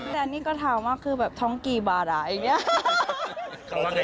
แต่อันนี้ก็ถามว่าคือแบบท้องกี่บาทอ่ะอย่างนี้